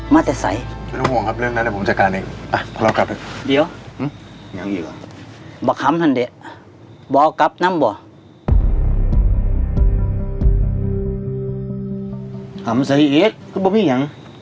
มึงแรงมากยังไรเป็นไห่ซุ่มไห่เสียง